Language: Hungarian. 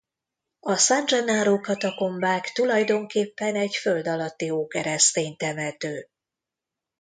A San Gennaro-katakombák tulajdonképpen egy földalatti ókeresztény temető.